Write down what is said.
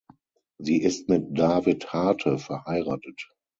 Sie ist mit David Harte verheiratet.